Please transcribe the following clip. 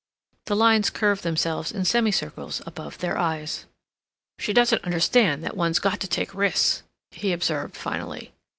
The lines curved themselves in semicircles above their eyes. "She doesn't understand that one's got to take risks," he observed, finally.